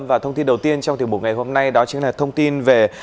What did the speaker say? và thông tin đầu tiên trong tiểu mục ngày hôm nay đó chính là thông tin về